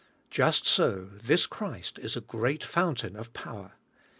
Just so this Christ is a great fountain of power.